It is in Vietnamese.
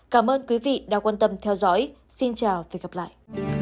cảm ơn quý vị đã quan tâm theo dõi xin chào và hẹn gặp lại